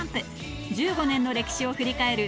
１５年の歴史を振り返る